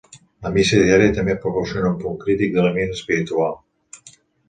La missa diària també proporciona un punt crític d'aliment espiritual.